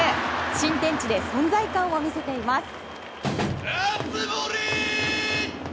新天地で存在感を見せています。